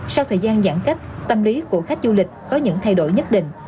sau thời gian giãn cách tâm lý của khách du lịch có những thay đổi nhất định